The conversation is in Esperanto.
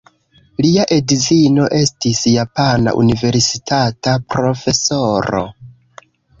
Lia edzino estis japana universitata profesoro.